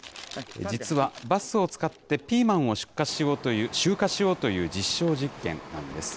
実はバスを使ってピーマンを集荷しようという実証実験なんです。